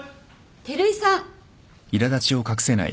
照井さん。